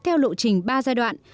theo lộ trình ba giai đoạn